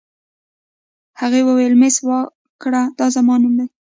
هغې وویل: مس واکر، دا زما نوم دی.